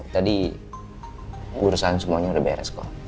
tadi urusan semuanya udah beres kok